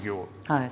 はい。